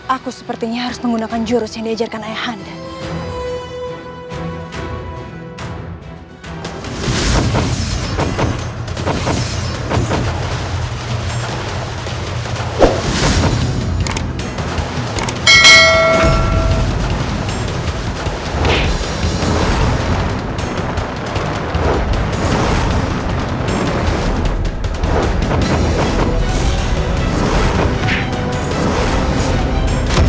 aku sepertinya harus menggunakan jurus yang diajarkan ayah hande